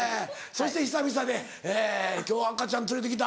そして久々で今日は赤ちゃん連れてきて。